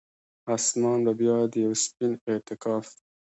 اسمان به بیا د یوه سپین اعتکاف،